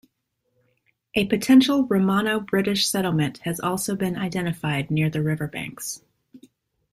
A potential Romano-British settlement has also been identified near the river banks.